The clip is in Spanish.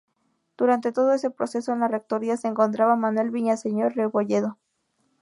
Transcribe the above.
Durante todo ese proceso en la rectoría se encontraba Manuel Villaseñor Rebolledo.